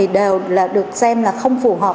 đều được xem không phù hợp